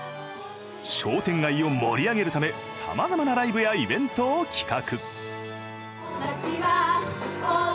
商店街を盛り上げるためさまざまなライブやイベントを企画。